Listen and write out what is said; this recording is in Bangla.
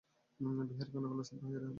বিহারী ক্ষণকাল স্তব্ধ হইয়া রহিল।